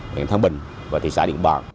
điện thắng bình và thị xã điện bạc